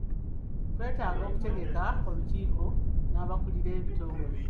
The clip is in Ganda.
Twetaaga okutegeka olukiiko n'abakulira ebitongole.